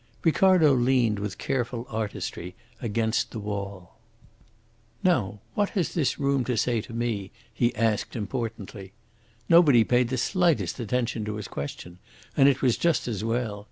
Ricardo leaned with careful artistry against the wall. "Now, what has this room to say to me?" he asked importantly. Nobody paid the slightest attention to his question, and it was just as well.